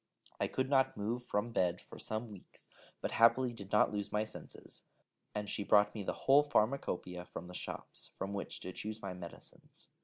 I could not move from bed for some weeks, but happily did not lose my senses, and she brought me the whole pharmacopoeia from the shops, from which to choose my medicines.